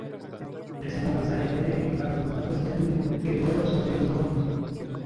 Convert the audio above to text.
Presenta un paisaje "alegre" y "adorable" con samples de anime, videojuegos, o sonidos cómicos.